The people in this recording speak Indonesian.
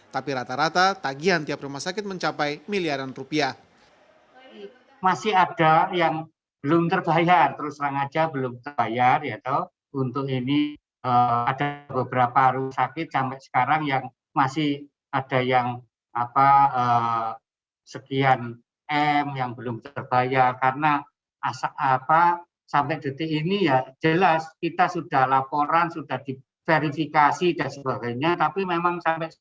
tapi rata rata tagihan tiap rumah sakit mencapai miliaran rupiah